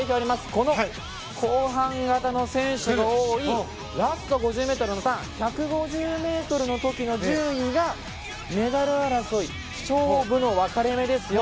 この後半型の選手が多いラスト５０ｍのターン１５０ｍの時の順位がメダル争い勝負の分かれ目ですよ。